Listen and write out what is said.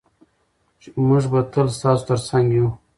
موږ به تل ستاسو ترڅنګ یو.